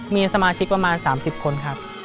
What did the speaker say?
มีสมาชิกประมาณ๓๐คนครับ